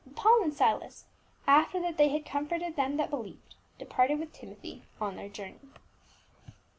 But Paul and Silas, after that they had comforted them that believed, departed with Timothy on their journey.